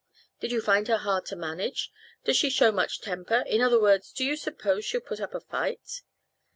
"Do you find her hard to manage? Does she show much temper? In other words, do you suppose she'll put up a fight?"